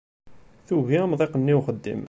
Tugi amḍiq-nni uxeddim.